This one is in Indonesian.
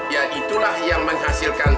ya kita ikan dahinya ke pangkal hidung